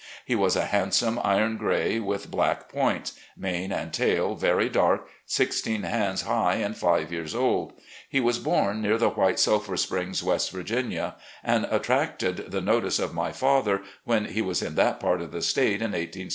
He was a handsome iron gray with black points — ^mane and tail very dark — sixteen hands high, and five years old. He was bom near the White Sulphur Springs, West Virginia, and attracted the notice of my father when he was in that part of the State in i86i.